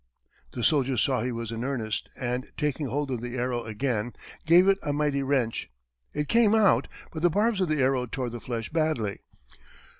The soldier saw he was in earnest, and, taking hold of the arrow again, gave it a mighty wrench. It came out, but the barbs of the arrow tore the flesh badly.